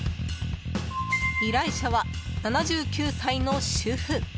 依頼者は７９歳の主婦。